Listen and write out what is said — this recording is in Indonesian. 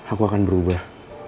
aku akan berubah